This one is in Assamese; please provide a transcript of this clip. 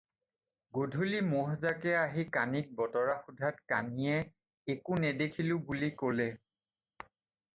"গধূলি ম'হজাকে আহি কাণীক বতৰা সোধাত কাণীয়ে "একো নেদেখিলোঁ" বুলি ক'লে।"